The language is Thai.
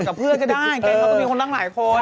กับเพื่อนก็ได้แกเขาก็มีคนตั้งหลายคน